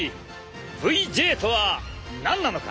ＶＪとは何なのか。